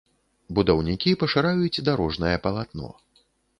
Будаўнікі пашыраюць дарожнае палатно.